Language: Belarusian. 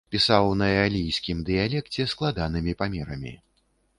Пісаў на эалійскім дыялекце, складанымі памерамі.